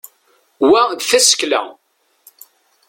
wa d tasekla